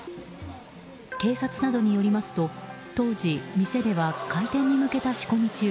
警察などによりますと当時、店では開店に向けた仕込み中。